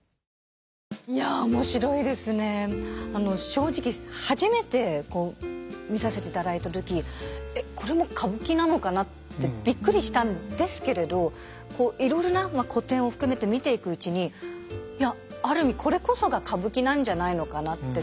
正直初めて見させていただいた時「えっこれも歌舞伎なのかな？」ってびっくりしたんですけれどいろいろな古典を含めて見ていくうちに「いやある意味これこそが歌舞伎なんじゃないのかな」って。